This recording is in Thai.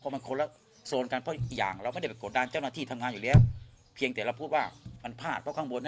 มันคลอร์สและโซนกันเพราะอย่างไม่แทดกระดานเจ้าหน้าที่ทำงานอยู่แล้วเพียงแต่เราพูดว่ามานะคะเศพว่าข้างบนนะครับ